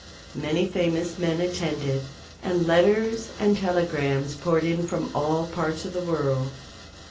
Many famous men attended, and letters and telegrams poured in from all parts of the world.